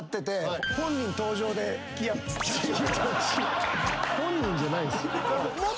本人じゃないっすよ。